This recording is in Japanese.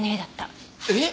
えっ？